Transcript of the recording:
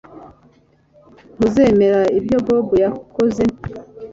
Ntuzemera ibyo Bobo yakoze